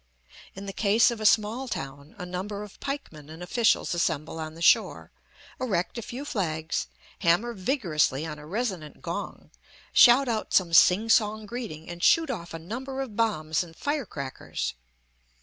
In the case of a small town, a number of pikemen and officials assemble on the shore, erect a few flags, hammer vigorously on a resonant gong, shout out some sing song greeting and shoot off a number of bombs and fire crackers.